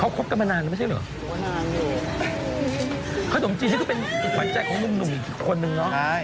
เขาคบกันมานานแล้วไม่ใช่หรือ